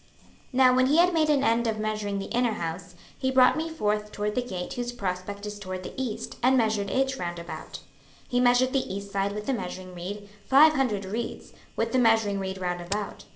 26:042:015 Now when he had made an end of measuring the inner house, he brought me forth toward the gate whose prospect is toward the east, and measured it round about. 26:042:016 He measured the east side with the measuring reed, five hundred reeds, with the measuring reed round about.